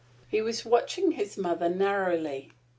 He was watching his mother narrowly.